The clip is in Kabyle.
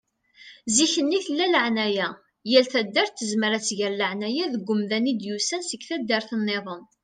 Zikk-nni tella laεnaya. Yal taddart tezmer ad tger laεnaya deg umdan i d-yusan seg taddart-nniḍen.